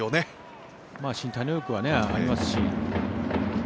身体能力はありますし。